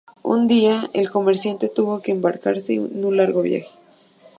Un día el comerciante tuvo que embarcarse en un largo viaje.